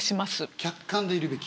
客観でいるべき？